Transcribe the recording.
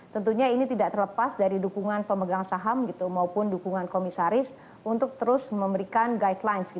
tentunya ini tidak terlepas dari dukungan pemegang saham gitu maupun dukungan komisaris untuk terus memberikan guidelines